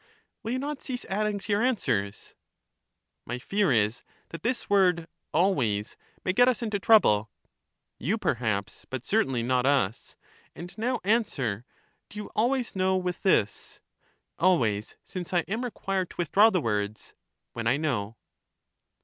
Will you not cease adding to your answers? My fear is that this word " always " may get us into trouble. You, perhaps, but certainly not us. And now an swer: Do you always know with this? Always ; since I am required to withdraw the words " when I know."